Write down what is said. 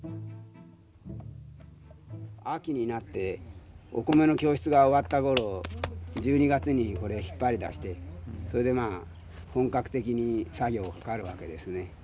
秋になってお米の供出が終わった頃１２月にこれを引っ張り出してそれで本格的に作業にかかるわけですね。